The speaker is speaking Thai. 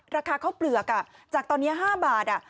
ราคาข้าวเปลือกจากตอนนี้๕บาท